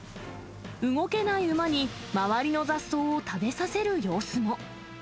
動けない馬に周りの雑草を食べさせる様子も。